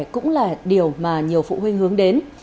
cũng là điều mà nhiều phụ huynh hướng đến